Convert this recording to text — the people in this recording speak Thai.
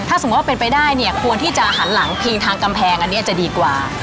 สมมุติว่าเป็นไปได้เนี่ยควรที่จะหันหลังพิงทางกำแพงอันนี้จะดีกว่า